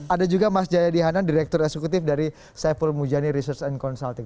ada juga mas jayadi hanan direktur eksekutif dari saiful mujani research and consulting